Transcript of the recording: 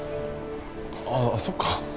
ああそっか。